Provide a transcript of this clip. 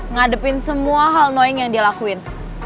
ngadepin semua hal nong yang dia lakuin